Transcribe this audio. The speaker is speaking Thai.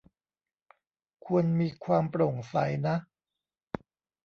ควรมีความโปร่งใสนะ